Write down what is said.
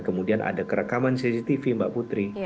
kemudian ada kerekaman cctv mbak putri